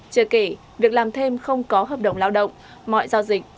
chưa kể việc làm thêm không có hợp đồng lao động mọi giao dịch